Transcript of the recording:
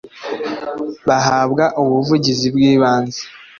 bahabwa ubuvuzi bw’ibanze